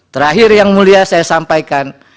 terakhir yang mulia saya sampaikan